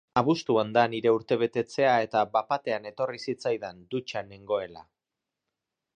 Abuztuan da nire urtebetetzea eta bat-batean etorri zitzaidan, dutxan nengoela.